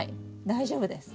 大丈夫です。